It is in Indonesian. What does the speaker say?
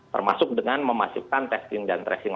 termasuk dengan memasifkan testing dan tracing